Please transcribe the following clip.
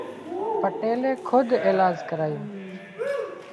پٽيلي کوۮ ايلاز ڪرايو